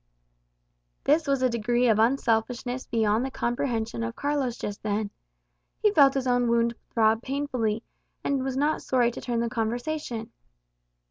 This was a degree of unselfishness beyond the comprehension of Carlos just then. He felt his own wound throb painfully, and was not sorry to turn the conversation.